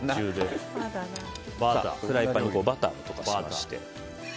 フライパンにバターを溶かしまして。